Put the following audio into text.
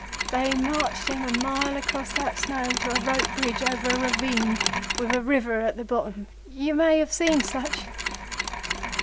They marched him a mile across that snow to a rope bridge over a ravine with a river at the bottom. You may have seen such.